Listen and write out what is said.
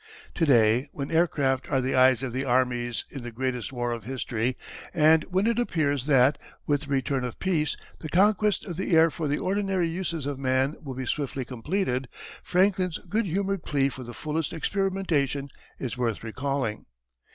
To day when aircraft are the eyes of the armies in the greatest war of history, and when it appears that, with the return of peace, the conquest of the air for the ordinary uses of man will be swiftly completed, Franklin's good humoured plea for the fullest experimentation is worth recalling.